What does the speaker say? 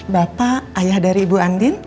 bapak ayah dari ibu andin